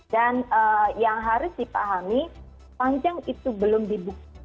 dan yang harus dipahami panjang itu belum dibukti